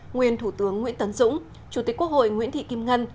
nguyên thủ tướng nguyễn tấn dũng chủ tịch quốc hội nguyễn thị kim ngân